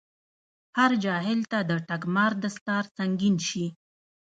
هر جاهل ته دټګمار دستار سنګين شي